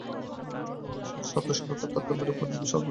স্বার্থশূন্যতার তারতম্যের উপরই সর্বক্ষেত্রে সফলতার তারতম্য নির্ভর করে।